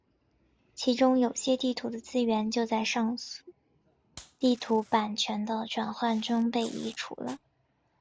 其中有些地图的资料就在上述地图版权的转换中被移除了。